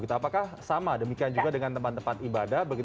apakah sama demikian juga dengan tempat tempat ibadah